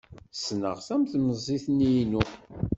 Ssneɣ-t am temzit-inu.